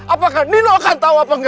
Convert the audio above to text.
apakah nino akan tau apa gak